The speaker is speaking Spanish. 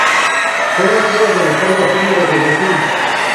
Son nativas de las selvas húmedas de Brasil.